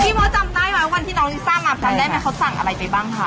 มดจำได้ไหมวันที่น้องลิซ่ามาจำได้ไหมเขาสั่งอะไรไปบ้างคะ